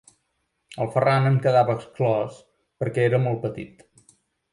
El Ferran en quedava exclòs perquè era molt petit.